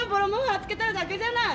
はっつけてあるだけじゃない！